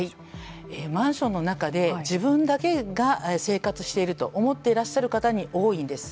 マンションの中で自分だけが生活していると思ってらっしゃる方に多いんです。